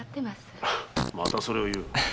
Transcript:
またそれを言う。